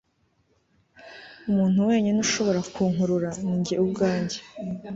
umuntu wenyine ushobora kunkurura ni njye ubwanjye